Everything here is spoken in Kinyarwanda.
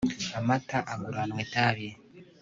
amata aguranwa itabi